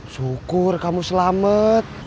syukur kamu selamat